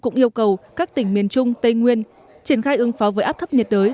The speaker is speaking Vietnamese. cũng yêu cầu các tỉnh miền trung tây nguyên triển khai ứng phó với áp thấp nhiệt đới